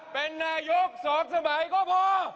เป็นนายุคสองสมัยก็พอ